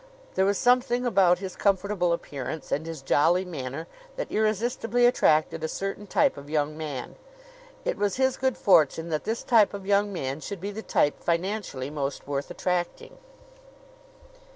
There was something about his comfortable appearance and his jolly manner that irresistibly attracted a certain type of young man. It was his good fortune that this type of young man should be the type financially most worth attracting.